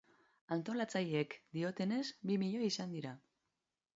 Antolatzaileek diotenez, bi milioi izan dira.